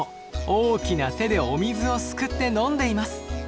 大きな手でお水をすくって飲んでいます。